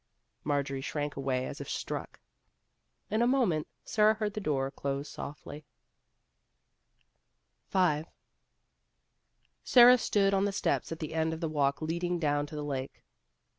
Marjorie shrank away as if struck. In a moment Sara heard the door close softly. Sara stood on the steps at the end of the walk leading down to the lake.